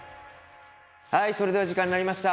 それでは時間になりました。